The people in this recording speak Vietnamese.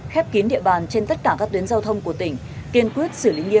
khép kín địa bàn trên tất cả các tuyến giao thông của tết